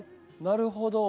なるほど。